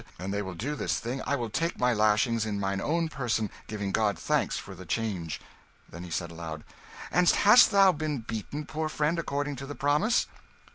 an' they will do this thing, I will take my lashings in mine own person, giving God thanks for the change." Then he said aloud "And hast thou been beaten, poor friend, according to the promise?"